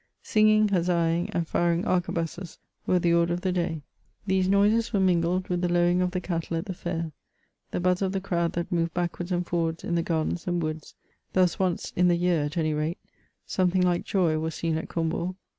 Singing, huzzaing, and firing arquebusses were the order of the day. These noises were mingled with the lowing of the cattle at the fair ; the buzz of the crowd that moved backwards and forwards in the gardens and woods : thus once in the year, at any rate, something like joy was seen at Combourg.